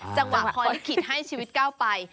จังหวะความละกิดให้ชีวิตก้าวไป